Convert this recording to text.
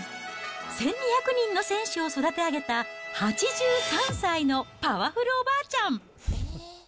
１２００人の選手を育て上げた８３歳のパワフルおばあちゃん。